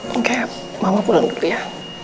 oke mama pulang gitu ya